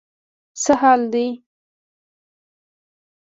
څه حال دی.